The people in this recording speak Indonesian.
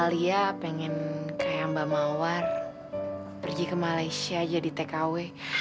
alia pengen kayak mbak mawar pergi ke malaysia jadi tkw